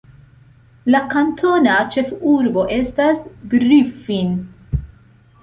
La kantona ĉefurbo estas Griffin.